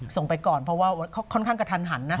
ส่งไปก่อนเพราะว่าค่อนข้างกับทัน